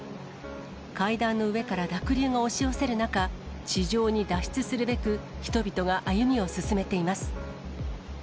階段の上から濁流が押し寄せる中、地上に脱出するべく、人々が歩みを進めています。